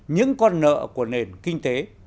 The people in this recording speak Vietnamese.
những con nợ của nền kinh tế